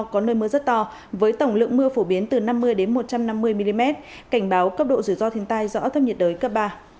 có nơi mưa rất to với tổng lượng mưa phổ biến từ năm mươi một trăm năm mươi mm cảnh báo cấp độ rủi ro thiên tai do áp thấp nhiệt đới cấp ba